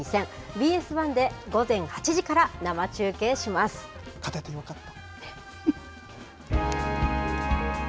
ＢＳ１で午前８時から生中継しま勝ててよかった。